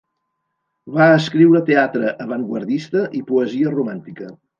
Va escriure teatre avantguardista i poesia romàntica.